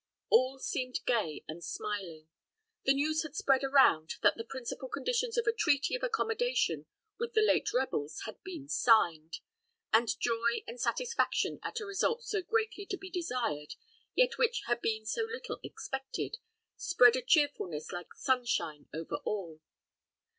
All seemed gay and smiling. The news had spread around that the principal conditions of a treaty of accommodation with the late rebels had been signed, and joy and satisfaction at a result so greatly to be desired, yet which had been so little expected, spread a cheerfulness like sunshine over all.